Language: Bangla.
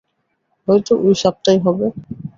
হয়তো ওই সাপটাই হবে।